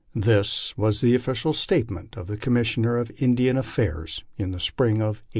This was the official statement of the Commissioner of Indian Affairs in the spring of 1867.